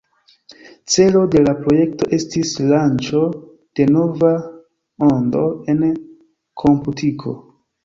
Celo de la projekto estis lanĉo de "nova ondo" en komputiko.